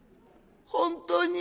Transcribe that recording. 本当に？